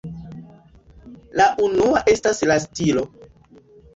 La unua estas la stilo.